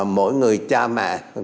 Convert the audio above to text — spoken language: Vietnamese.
mỗi người cha mẹ